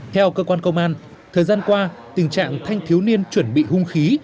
theo cơ quan công an thời gian qua tình trạng thanh thiếu niên chuẩn bị hung khí